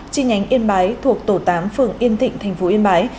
chi nhánh yên bái thuộc tổ tám phường yên thịnh thành phố yên bái